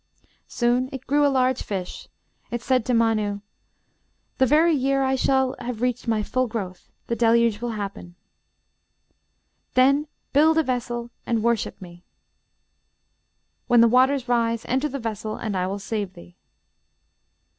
Soon it grew a large fish. It said to Mann, 'The very year I shall have reached my full growth the Deluge will happen. Then build a vessel and worship me. When the waters rise, enter the vessel, and I will save thee.'